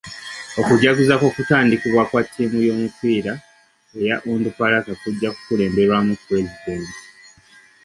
Okujaguza kw'okutandikibwawo kwa ttiimu y'omupiira eya Onduparaka kujja kukulemberwamu pulezidenti.